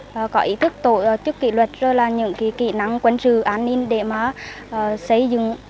và bảo vệ tổ quốc trong tình hình hiện nay